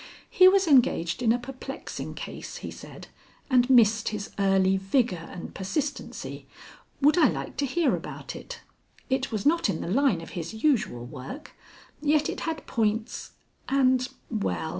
He was engaged in a perplexing case, he said, and missed his early vigor and persistency. Would I like to hear about it? It was not in the line of his usual work, yet it had points and well!